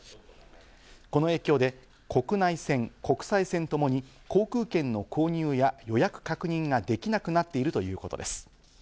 この影響で、国内線・国際線ともに航空券の購入や予約確認ができなくなっているということです。